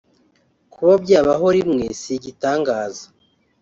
Kuba byabaho rimwe si igitangaza